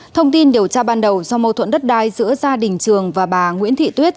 thông tin điều tra ban đầu do mâu thuẫn đất đai giữa gia đình trường và bà nguyễn thị tuyết